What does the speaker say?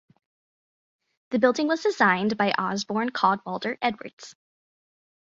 The building was designed by Osborne Cadwallader Edwards.